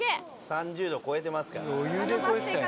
３０度超えてますから。